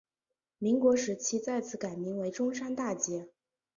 民国时期再次改名为中山大街。